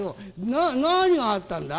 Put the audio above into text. な何があったんだ？」。